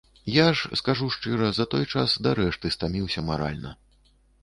Я ж, скажу шчыра, за той час дарэшты стаміўся маральна.